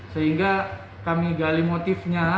sehingga kami gali motifnya